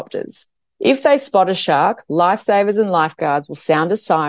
dan memasang papan merah dan kuning